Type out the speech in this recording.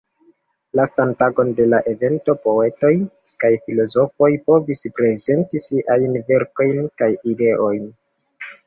Lastan tagon de la evento poetoj kaj filozofoj povis prezenti siajn verkojn kaj ideojn.